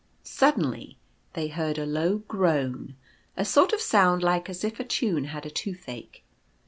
Suddenly they heard a low groan — a sort of sound like as if a tune had a toothache.